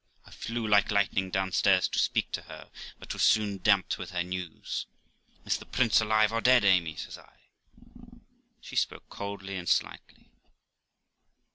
I flew like lightning downstairs to speak to her, but was soon damped with her news. 'Is the prince alive or dead, Amy?' says I. She spoke coldly and slightly.